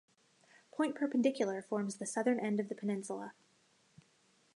Point Perpendicular forms the southern end of the peninsula.